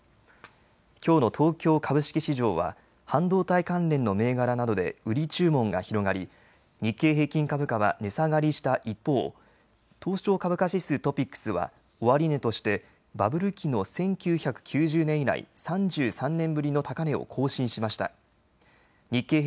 きょうの東京株式市場は半導体関連の銘柄などで売り注文が広がり日経平均株価は値下がりした一方、東証株価指数・トピックスは終値としてバブル期の１９９０年以来３３年ぶりの高値を更新しました。